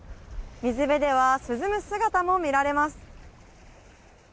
水辺では涼む姿も見られます。